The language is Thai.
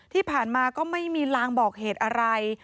ที่ผ่านมาก็ไม่มีลางบอกเหตุอะไร